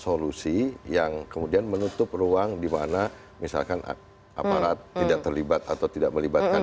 solusi yang cuk sleeping selama ini digaungkan dua apakah ini juga termasuk diangkal diggingulkan